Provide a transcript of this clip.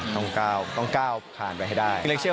ต้องก้าวต้องก้าวผ่านไปให้ได้เชื่อ